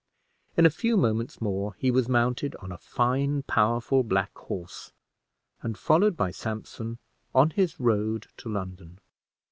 In a few moments more he was mounted on a fine, powerful black horse, and, followed by Sampson, on his road to London.